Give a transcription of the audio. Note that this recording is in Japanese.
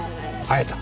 会えた？